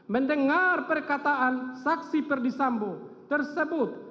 mendengar perkataan saksi perdisambo tersebut